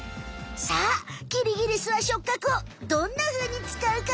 さあキリギリスは触角をどんなふうに使うかな？